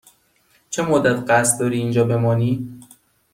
چه مدت قصد داری اینجا بمانی؟